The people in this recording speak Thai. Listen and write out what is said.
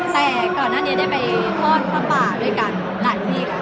แต่ก่อนหน้านี้ได้ไปทอดผ้าป่าด้วยกันหลายที่ค่ะ